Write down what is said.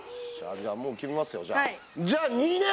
もう決めますよじゃあ。